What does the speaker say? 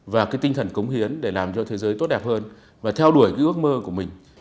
và cái tinh thần cống hiến để làm cho thế giới tốt đẹp hơn và theo đuổi cái ước mơ của mình